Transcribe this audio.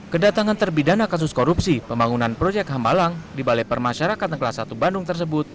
kedatangan terpidana kasus korupsi pembangunan proyek hamalang di balai permasyarakatan kelas satu bandung tersebut